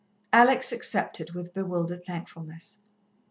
Alex accepted with bewildered thankfulness.